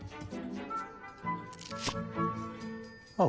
あっ。